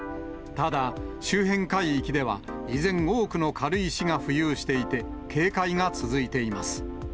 ただ、周辺海域では、依然、多くの軽石が浮遊していて、警戒が続いています。